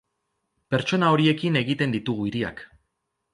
Pertsona horiekin egiten ditugu hiriak.